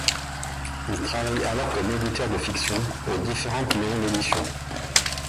Il travaille alors comme éditeur de fiction pour différentes maisons d'édition.